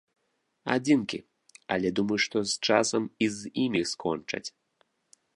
Адзінкі, але, думаю, што з часам і з імі скончаць.